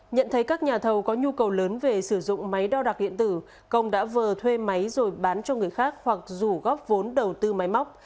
nhận thấy các nhà thầu có nhu cầu lớn về sử dụng máy đo đạc điện tử công đã vờ thuê máy rồi bán cho người khác hoặc rủ góp vốn đầu tư máy móc